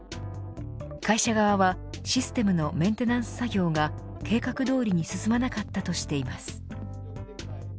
会社側は、システムのメンテナンス作業が計画どおりに進まなかったとしています。